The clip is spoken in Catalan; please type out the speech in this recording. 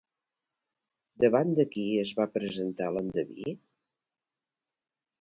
Davant de qui es va presentar l'endeví?